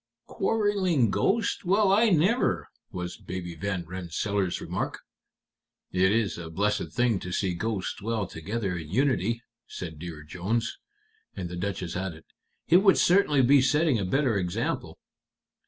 "Quarreling ghosts! Well, I never!" was Baby Van Rensselaer's remark. "It is a blessed thing to see ghosts dwell together in unity," said Dear Jones. And the Duchess added, "It would certainly be setting a better example."